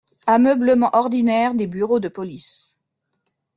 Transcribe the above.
Ameublement ordinaire des bureaux de police…